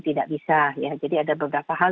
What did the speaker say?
tidak bisa ya jadi ada beberapa hal